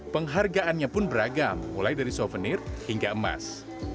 penghargaannya pun beragam mulai dari souvenir hingga emas